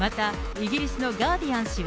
イギリスのガーディアン紙は、